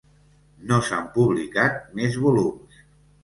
No s'han publicat més volums.